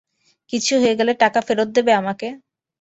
কিছু হয়ে গেলে, টাকা ফেরত দেবে আমাকে?